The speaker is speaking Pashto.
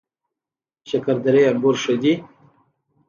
شکردرې انګور ښه دي؟